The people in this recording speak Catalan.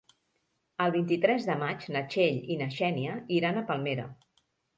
El vint-i-tres de maig na Txell i na Xènia iran a Palmera.